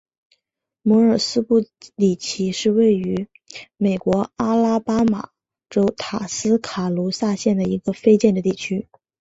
摩尔斯布里奇是位于美国阿拉巴马州塔斯卡卢萨县的一个非建制地区。